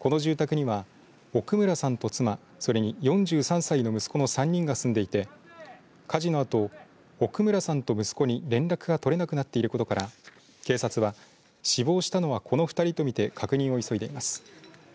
この住宅には岡村さんと妻それに４３歳の息子の３人が住んでいて火事のあと奥村さんと息子に連絡が取れなくなっていることから警察は死亡したのは、この２人とみて確認を急いでいます。